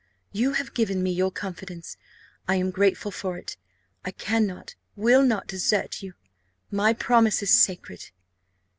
You have given me your confidence; I am grateful for it. I cannot, will not desert you: my promise is sacred."